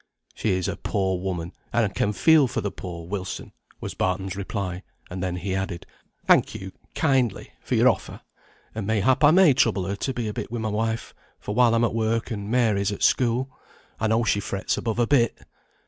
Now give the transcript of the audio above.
"She's a poor woman, and can feel for the poor, Wilson," was Barton's reply; and then he added, "Thank you kindly for your offer, and mayhap I may trouble her to be a bit with my wife, for while I'm at work, and Mary's at school, I know she frets above a bit.